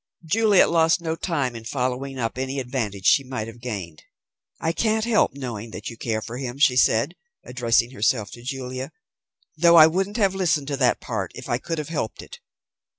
Juliet lost no time in following up any advantage she might have gained. "I can't help knowing that you care for him," she said, addressing herself to Julia, "though I wouldn't have listened to that part if I could have helped it.